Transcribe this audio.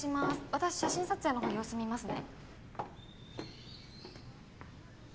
私写真撮影の方様子見ますね。